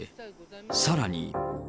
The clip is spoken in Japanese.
さらに。